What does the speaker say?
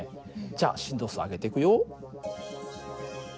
じゃあ振動数を上げていくよ。